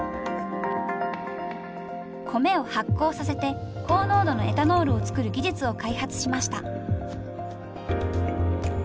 米を発酵させて高濃度のエタノールを作る技術を開発しました。